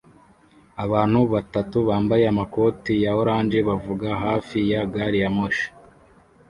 Abantu batatu bambaye amakoti ya orange bavuga hafi ya gari ya moshi